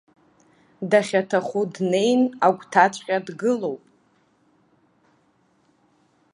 Дахьаҭаху днеин агәҭаҵәҟьа дгылоуп.